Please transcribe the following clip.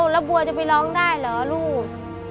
แล้วบัวจะไปร้องได้เหรอลูก